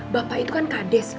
bapak itu kan kades